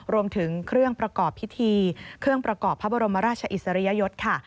รวมถึงเครื่องประกอบพิธีเครื่องประกอบพระบรมราชอิสริยยศค่ะ